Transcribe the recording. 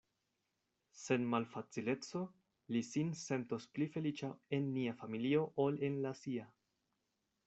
Sen malfacileco li sin sentos pli feliĉa en nia familio ol en la sia.